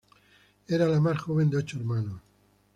Era la más joven de ocho hermanos.